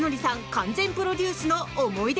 完全プロデュースの思い出